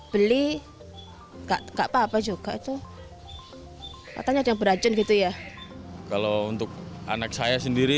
beli enggak apa apa juga tuh katanya ada beracun gitu ya kalau untuk anak saya sendiri